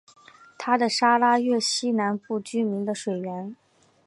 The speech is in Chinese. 它是沙拉越西南部居民的水源。